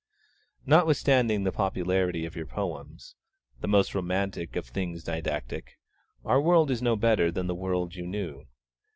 Notwithstanding the popularity of your poems (the most romantic of things didactic), our world is no better than the world you knew.